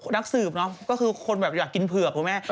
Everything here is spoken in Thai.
นักสืบเนอะก็คือคนแบบอยากกินเผือกคุณแม่